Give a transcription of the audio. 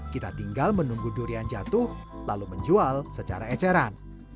kita tinggal menunggu durian jatuh lalu menjual secara eceran